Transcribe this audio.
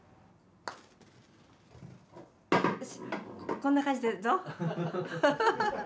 こんな感じでどう？